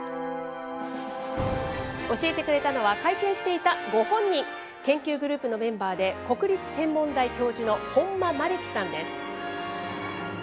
教えてくれたのは、会見していたご本人、研究グループのメンバーで、国立天文台教授の本間希樹さんです。